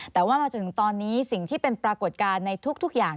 แต่ว่ามาจนถึงตอนนี้สิ่งที่เป็นปรากฏการณ์ในทุกอย่าง